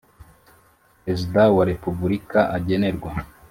Perezida wa repubulika agenerwa